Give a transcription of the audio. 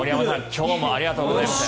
今日もありがとうございます。